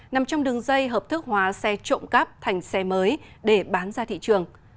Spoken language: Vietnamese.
nằm trong đường dây hợp thức hóa xe trộm cắp thành xe mới để bán ra thị trường